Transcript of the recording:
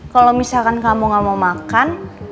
kalau misalkan kamu gak mau makan